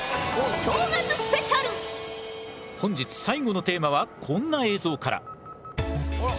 本日最後のテーマはこんな映像から。